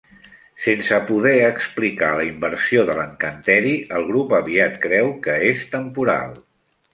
Sense poder explicar la inversió de l'encanteri, el grup aviat creu que és temporal.